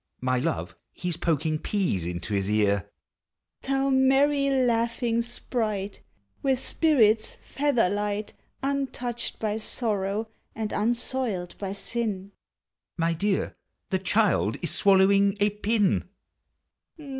(My love, he's poking peas into his ear,) Thou merry, laughing sprite. With spirits, feather light, Untouched by sorrow, and unsoiled by sin; (My dear, the child is swallowing a pin!)